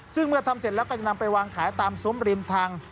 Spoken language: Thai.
ซึ่งเมื่อทำเสร็จแล้วก็จะนำไปวางขายตามซุ้มริมทาง